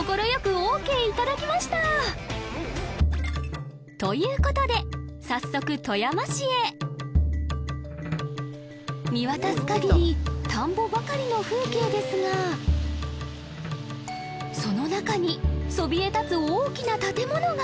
オーケー頂きましたということで早速富山市へ見渡すかぎり田んぼばかりの風景ですがその中にそびえ立つ大きな建物が！